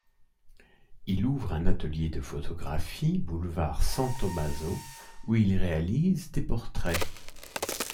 Il ouvre un atelier de photographie boulevard San Tommaso où il réalise des portraits.